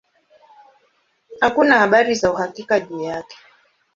Hakuna habari za uhakika juu yake.